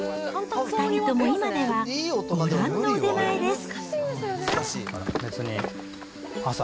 ２人とも今では、ご覧の腕前です。